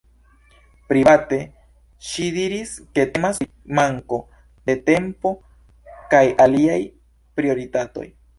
Private ŝi diris ke temas pri manko de tempo kaj aliaj prioritatoj.